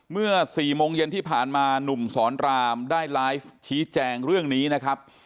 เมื่อ๔โมงเย็นที่ผ่านมาหนุ่มสอนรามได้ไลฟ์ชี้แจงเรื่องนี้นะครับ